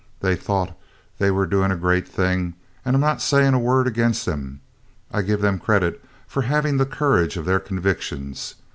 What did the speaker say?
They thought they were doing a great thing, and I 'm not saying a word against them. I give them the credit for having the courage of their convictions.